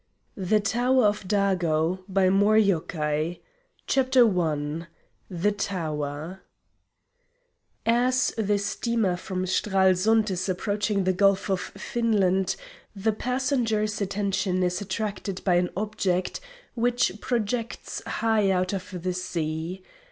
NEMESIS 99 CHAPTER I The Tower As the steamer from Stralsund is approaching the Gulf of Finland, the passenger's attention is attracted by an object which projects high out of the sea.